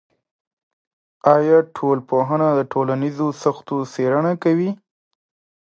آیا ټولنپوهنه د ټولنیزو سختیو څیړنه کوي؟